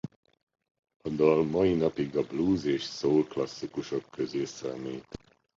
A dal mai napig a blues és soul klasszikusok közé számít.